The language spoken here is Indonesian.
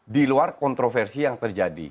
di luar kontroversi yang terjadi